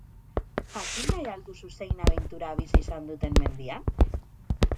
Jakin nahi al duzu zein abentura bizi izan duten mendian?